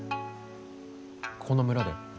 この村で？